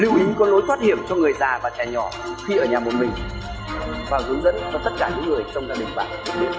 lưu ý có lối thoát hiểm cho người già và trẻ nhỏ khi ở nhà một mình và hướng dẫn cho tất cả những người trong gia đình bạn